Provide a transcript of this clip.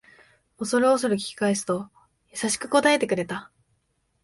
おそるおそる聞き返すと優しく答えてくれた